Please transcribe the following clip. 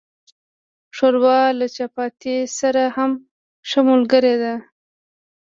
ښوروا له چپاتي سره هم ښه ملګری ده.